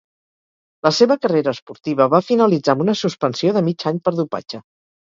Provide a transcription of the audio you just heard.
La seva carrera esportiva va finalitzar amb una suspensió de mig any per dopatge.